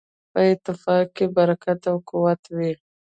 په اتفاق کې برکت او قوت وي.